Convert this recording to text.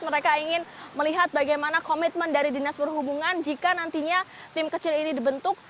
mereka ingin melihat bagaimana komitmen dari dinas perhubungan jika nantinya tim kecil ini dibentuk